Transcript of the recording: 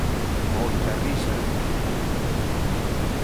Moitas risas!